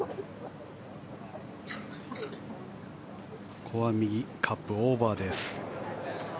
ここは右カップをオーバーです。